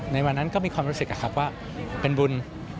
ในวันนั้นก็มีความรู้สึกว่าเป็นบุญ